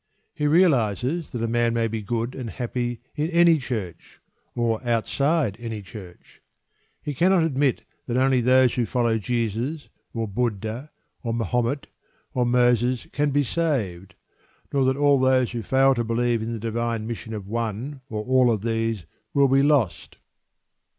He realises that a man may be good and happy in any church, or outside any church. He cannot admit that only those who follow Jesus, or Buddha, or Mahomet, or Moses can be "saved," nor that all those who fail to believe in the divine mission of one, or all of these will be lost.